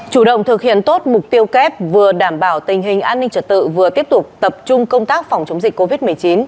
chủ động thực hiện tốt mục tiêu kép vừa đảm bảo tình hình an ninh trật tự vừa tiếp tục tập trung công tác phòng chống dịch covid một mươi chín